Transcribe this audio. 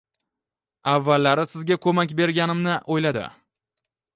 Avvallari sizga koʻmak bermaganimni oʻyladi.